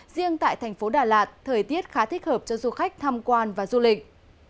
riêng tại thành phố đà lạt thời tiết khá thích hợp cho du khách tham quan và du lịch